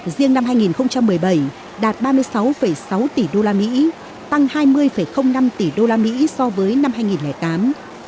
riêng năm hai nghìn một mươi bảy đạt ba mươi sáu sáu tỉ đô la mỹ tăng hai mươi năm tỉ đô la mỹ so với năm hai nghìn tám